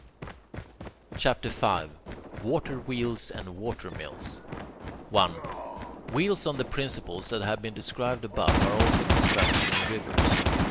CHAPTER V WATER WHEELS AND WATER MILLS 1. Wheels on the principles that have been described above are also constructed in rivers.